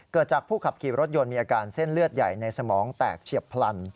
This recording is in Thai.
เกิดจากผู้ขับขี่รถยนต์มีอาการเส้นเลือดใหญ่ในสมองแตกเฉียบพลัน